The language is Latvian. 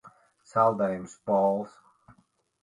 Saldējums Pols.